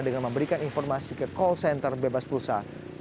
dengan memberikan informasi ke call center bebas pulsa satu ratus dua belas